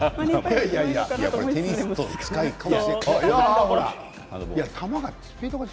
テニスと近いかもしれないけど。